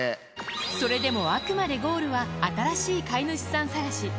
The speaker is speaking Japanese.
それでもあくまでゴールは、新しい飼い主さん探し。